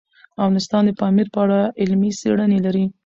افغانستان د پامیر په اړه علمي څېړنې لري.